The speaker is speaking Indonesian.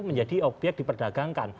menjadi obyek diperdagangkan